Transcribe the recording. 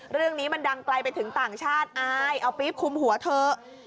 เรื่องนี้มันดังไกลไปถึงต่างชาติอายเอาปี๊บคุมหัวเถอะ